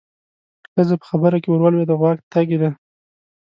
ښځه په خبره کې ورولوېده: غوا تږې ده.